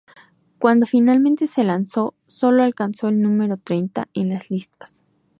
Cuando finalmente se lanzó, sólo alcanzó el número treinta en las listas.